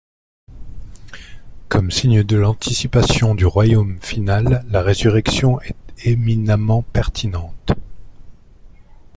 Comme signe de l’anticipation du Royaume final, la résurrection est éminemment pertinente.